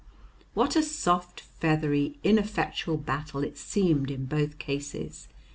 What a soft, feathery, ineffectual battle it seemed in both cases!